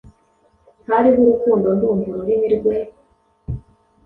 Hariho urukundo, ndumva ururimi rwe.